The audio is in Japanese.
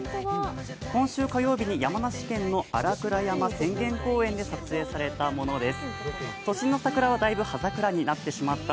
今週火曜日に山梨県の新倉山浅間公園で撮影されたものです。